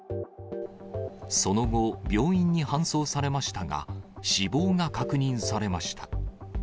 その後、病院に搬送されましたが、死亡が確認されました。